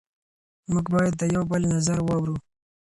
موږ باید د یو بل نظر واورو.